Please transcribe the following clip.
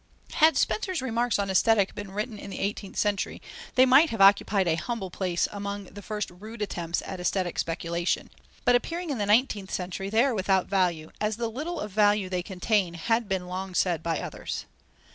Had Spencer's remarks on Aesthetic been written in the eighteenth century, they might have occupied a humble place among the first rude attempts at aesthetic speculation, but appearing in the nineteenth century, they are without value, as the little of value they contain had been long said by others.